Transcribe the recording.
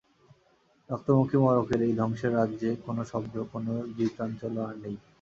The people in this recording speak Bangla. রক্তমুখী মড়কের এই ধ্বংসের রাজ্যে কোনো শব্দ, কোনো জীবনচাঞ্চল্য আর নেই।